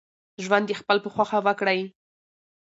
ژوند دخپل په خوښه وکړئ